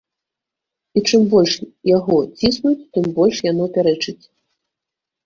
І чым больш яго ціснуць, тым больш яно пярэчыць.